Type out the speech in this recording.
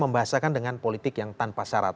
membahasakan dengan politik yang tanpa syarat